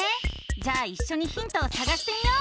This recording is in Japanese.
じゃあいっしょにヒントをさがしてみよう！